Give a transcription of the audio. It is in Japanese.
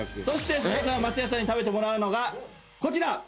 そして菅田さん松也さんに食べてもらうのがこちら！